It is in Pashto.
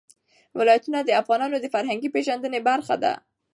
ولایتونه د افغانانو د فرهنګي پیژندنې برخه ده.